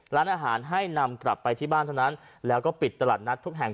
ร้านอาหารให้นำกลับไปที่บ้านเท่านั้นแล้วก็ปิดตลาดนัดทุกแห่ง